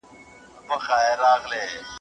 ماشوم له خپلې خور سره لوبې کولې.